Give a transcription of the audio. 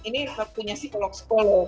ini punya psikolog sekolah